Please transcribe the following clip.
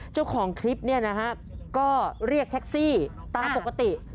เจ้าของคลิปเนี่ยนะฮะก็เรียกแท็กซี่ตามปกติ